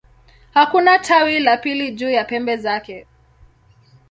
Hakuna tawi la pili juu ya pembe zake.